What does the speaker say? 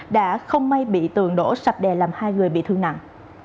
đã không may bị tường đổ sập đè làm hai người bị thương nặng